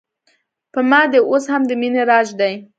په ما دې اوس هم د مینې راج دی